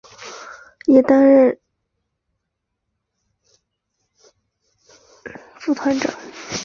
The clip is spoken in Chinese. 也担任川内核电厂差止诉讼原告团副团长。